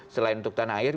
selain untuk tanah air